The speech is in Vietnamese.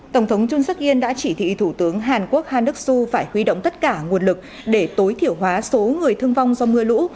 tổng thống john seok in đã chỉ thị thủ tướng hàn quốc han đức su phải huy động tất cả nguồn lực để tối thiểu hóa số người thương vong do mưa lũ